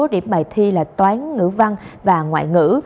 điểm bài thi là toán ngữ văn và ngoại ngữ